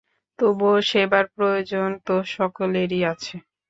তবু সেবার প্রয়োজন তো সকলেরই আছে।